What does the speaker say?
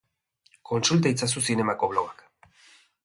Kontsulta itzazu zinemako bloga.